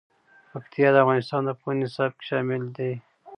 پکتیا د افغانستان د پوهنې نصاب کې شامل دي.